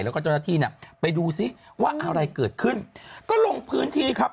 แล้วก็เจ้าหน้าที่เนี่ยไปดูซิว่าอะไรเกิดขึ้นก็ลงพื้นที่ครับ